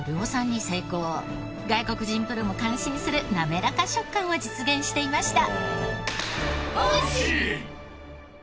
外国人プロも感心するなめらか食感を実現していました。